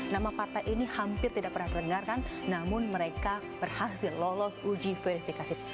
nama partai ini hampir tidak pernah terdengarkan namun mereka berhasil lolos uji verifikasi